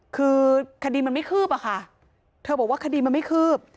คือคดีมันไม่คืบอะค่ะเธอบอกว่าคดีมันไม่คืบ